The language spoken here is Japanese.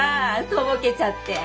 とぼけちゃって。